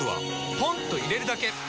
ポンと入れるだけ！